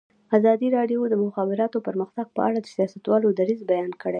ازادي راډیو د د مخابراتو پرمختګ په اړه د سیاستوالو دریځ بیان کړی.